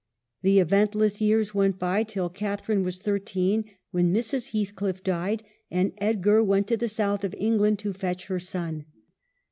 The eventless years went by till Catharine was thirteen, when Mrs. Heathcliff died, and Ed gar«went to the South of England to fetch her son.